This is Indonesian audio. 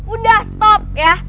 udah stop ya